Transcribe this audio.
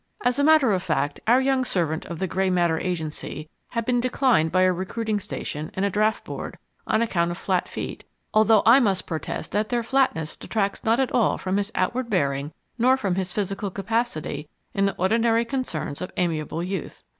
As a matter of fact, our young servant of the Grey Matter Agency had been declined by a recruiting station and a draft board on account of flat feet; although I must protest that their flatness detracts not at all from his outward bearing nor from his physical capacity in the ordinary concerns of amiable youth.